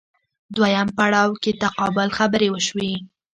دویم پړاو کې تقابل خبرې وشوې